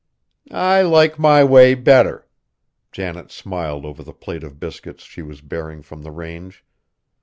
"I like my way better;" Janet smiled over the plate of biscuits she was bearing from the range.